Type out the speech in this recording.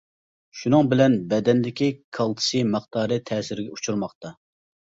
شۇنىڭ بىلەن بەدەندىكى كالتسىي مىقدارى تەسىرگە ئۇچۇرماقتا.